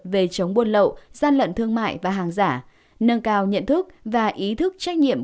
về chống buôn lậu gian lận thương mại và hàng giả nâng cao nhận thức và ý thức trách nhiệm